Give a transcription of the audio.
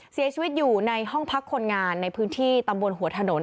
เสียชีวิตอยู่ในห้องพักคนงานในพื้นที่ตำบลหัวถนน